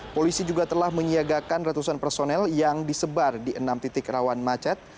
polisi juga telah menyiagakan ratusan personel yang disebar di enam titik rawan macet